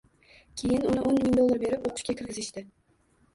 Keyin uni o'n ming dollar berib o‘qishga kirgizishdi.